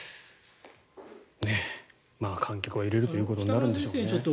観客は入れるということになるんでしょうね。